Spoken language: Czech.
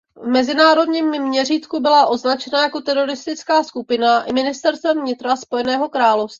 V mezinárodním měřítku byla označena jako teroristická skupina i ministerstvem vnitra Spojeného království.